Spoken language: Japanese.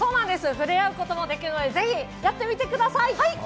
触れ合うことができるので、ぜひ、やってみてください！